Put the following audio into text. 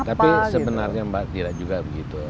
tapi sebenarnya mbak tidak juga begitu